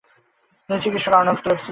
তিনি চিকিৎসক Arnold Klebs এর পিতা।